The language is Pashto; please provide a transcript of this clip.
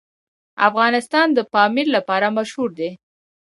افغانستان د پامیر لپاره مشهور دی.